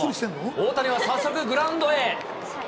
大谷は早速、グラウンドへ。